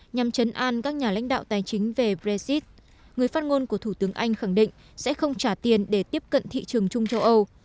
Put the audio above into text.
nhằm chấn an các nhà lãnh đạo tài chính về brexit người phát ngôn của thủ tướng anh khẳng định sẽ không trả tiền để tiếp cận thị trường chung châu âu